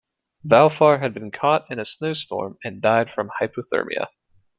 Valfar had been caught in a snow storm and died from hypothermia.